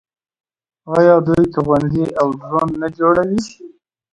آیا دوی توغندي او ډرون نه جوړوي؟